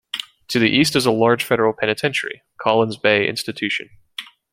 To the east is a large federal penitentiary, Collins Bay Institution.